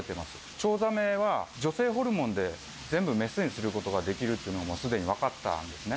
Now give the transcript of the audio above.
チョウザメは、女性ホルモンで全部メスにすることができるというのがすでにもう分かったんですね。